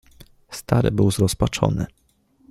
Stary był zrozpaczony.